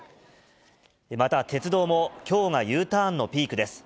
また鉄道も、きょうがＵターンのピークです。